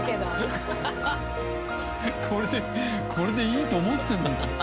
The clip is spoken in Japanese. これでこれでいいと思ってる。